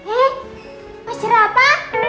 eh mas jerapa